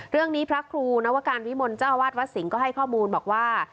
เรื่องนี้พระครูนวการวิมลเจ้าวาดวัดสิงห์ก็ให้ข้อมูลบอกว่า